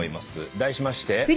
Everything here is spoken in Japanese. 題しまして。